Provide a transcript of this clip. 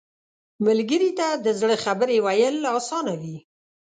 ملګری ته د زړه خبرې ویل اسانه وي